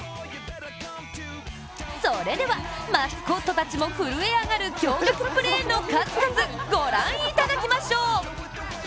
それでは、マスコットたちも震え上がる驚がくプレーの数々、ご覧いただきましょう。